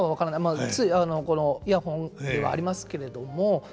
まあこのイヤホンはありますけれども。